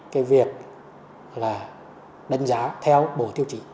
cái việc là đánh giá theo bộ tiêu chí